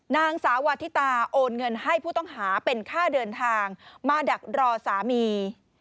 นางสาวาธิตาโอนเงินให้ผู้ต้องหาเป็นค่าเดินทางมาดักรอสามี